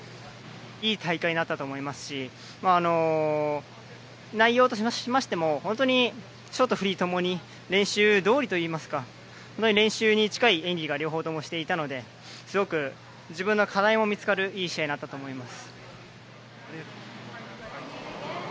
いい大会になったと思いますし内容としましても本当にショート、フリーともに練習どおりといいますか練習に近い演技を両方ともしていたのですごく自分の課題も見つかるいい試合になったと思います。